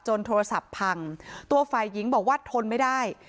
โทรศัพท์พังตัวฝ่ายหญิงบอกว่าทนไม่ได้